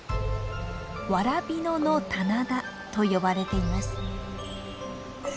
「蕨野の棚田」と呼ばれています。